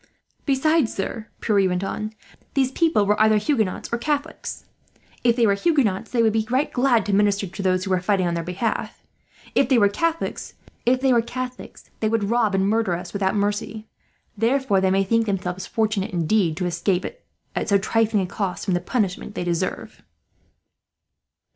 "Besides, sir," Pierre went on, "these people were either Huguenots or Catholics. If they were Huguenots, they would be right glad to minister to those who are fighting on their behalf. If they were Catholics, they would rob and murder us without mercy. Therefore they may think themselves fortunate, indeed, to escape at so trifling a cost from the punishment they deserve."